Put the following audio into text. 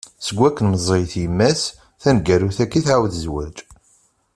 Seg wakken meẓẓiyet yemma-s, taneggarut-agi tɛawed zzwaǧ.